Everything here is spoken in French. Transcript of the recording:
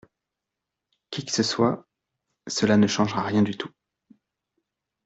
Qui que ce soit, cela ne changera rien du tout.